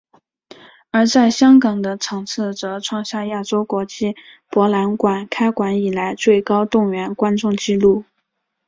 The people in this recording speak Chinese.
而在香港的场次则创下亚洲国际博览馆开馆以来最高动员观众记录。